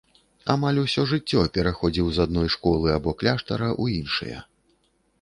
Амаль усё жыццё пераходзіў з адной школы або кляштара ў іншыя.